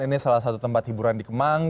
ini salah satu tempat hiburan di kemang